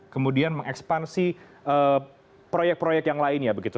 kemudian mengekspansi proyek proyek yang lainnya begitu